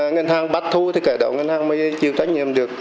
ngân hàng bắt thu thì cả đó ngân hàng mới chịu trách nhiệm được